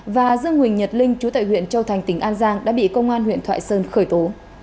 và dương huỳnh nhật linh chú tại huyện châu thành tỉnh an giang đã bị công an huyện thoại sơn khởi tố